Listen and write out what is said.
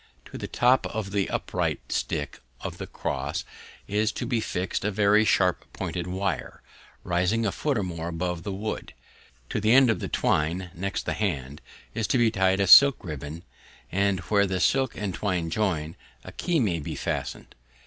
To the top of the upright stick of the cross is to be fixed a very sharp pointed wire, rising a foot or more above the wood. To the end of the twine, next the hand, is to be tied a silk ribbon, and where the silk and twine join, a key may be fastened.